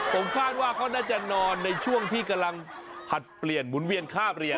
ผมคาดว่าเขาน่าจะนอนในช่วงที่กำลังผลัดเปลี่ยนหมุนเวียนค่าเรียน